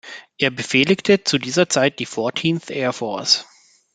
Er befehligte zu dieser Zeit die Fourteenth Air Force.